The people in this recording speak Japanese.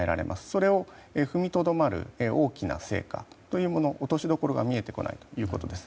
それを踏みとどまる大きな成果というもの落としどころが見えてこないということです。